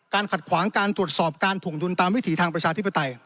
ขัดขวางการตรวจสอบการถวงดุลตามวิถีทางประชาธิปไตย